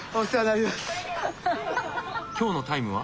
今日のタイムは？